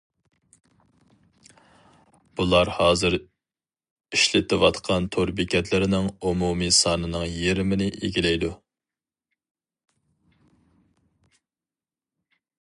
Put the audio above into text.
بۇلار ھازىر ئىشلىتىلىۋاتقان تور بېكەتلىرىنىڭ ئومۇمىي سانىنىڭ يېرىمىنى ئىگىلەيدۇ.